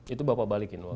itu bapak balikin uang